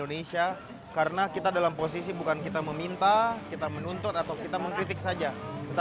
menyajikan budaya dari tiga puluh empat provinsi di seluruh indonesia